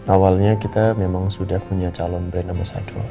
awalnya kita memang sudah punya calon brand amosel